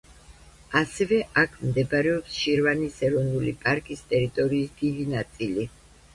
ასევე აქ მდებარეობს შირვანის ეროვნული პარკის ტერიტორიის დიდი ნაწილი.